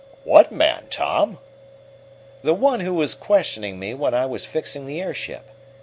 "What man, Tom?" "The one who was questioning me when I was fixing the airship.